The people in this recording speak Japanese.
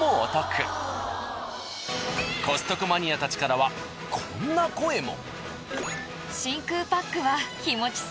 コストコマニアたちからはこんな声も。